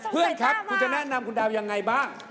เพื่อนครับคุณจะแนะนำคุณดาวยังไงบ้าง